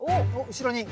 後ろに。